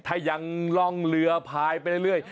ถ้ายังล่องเรือพายไปเรื่อย